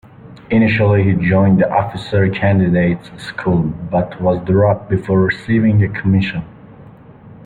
Initially he joined the Officer Candidate School but was dropped before receiving a commission.